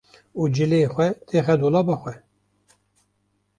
û cilên xwe têxe dolaba xwe.